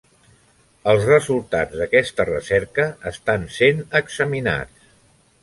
Els resultats d'aquesta recerca estan sent examinats.